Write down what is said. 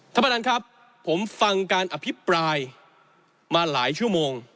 ท่านประธานครับผมฟังการอภิปรายมาหลายชั่วโมง